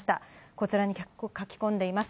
こちらに書き込んでいます。